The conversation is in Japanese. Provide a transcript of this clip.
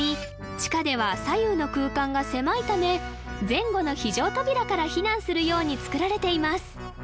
地下では左右の空間が狭いため前後の非常扉から避難するようにつくられています